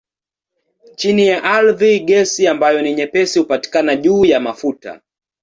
Chini ya ardhi gesi ambayo ni nyepesi hupatikana juu ya mafuta.